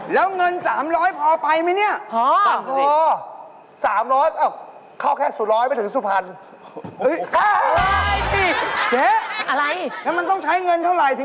แล้วเงิน๓๐๐พอไปไหมเนี่ย